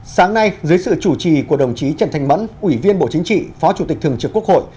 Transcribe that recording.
sáng nay dưới sự chủ trì của đồng chí trần thanh mẫn ủy viên bộ chính trị phó chủ tịch thường trực quốc hội